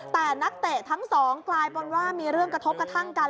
แต่นักเตะทั้งสองกลายเป็นว่ามีเรื่องกระทบกระทั่งกัน